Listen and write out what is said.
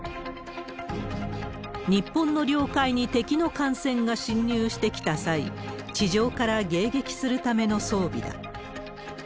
日本の領海に敵の艦船が侵入してきた際、地上から迎撃するための装備だ。